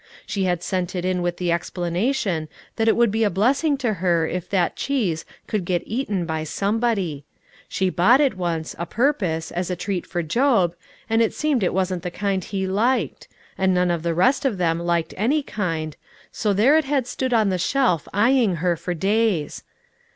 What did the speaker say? She had sent it in with the explanation that it would be a blessing to her if that cheese could get eaten by somebody ; she bought it once, a purpose, as a treat for Job, and it seemed it wasn't the kind he liked, and none of the rest of them liked any kind, so there it had stood on the shelf eying her for days.